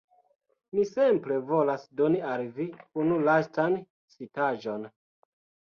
Mi simple volas doni al vi unu lastan citaĵon